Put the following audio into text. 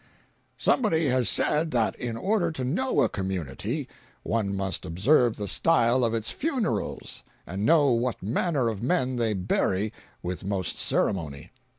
Somebody has said that in order to know a community, one must observe the style of its funerals and know what manner of men they bury with most ceremony.